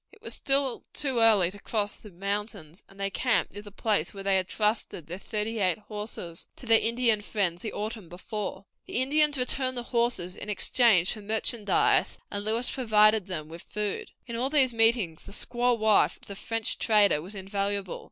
It was still too early to cross the mountains, and they camped near the place where they had trusted their thirty eight horses to their Indian friends the autumn before. The Indians returned the horses in exchange for merchandise, and Lewis provided them with food. In all these meetings the squaw wife of the French trader was invaluable.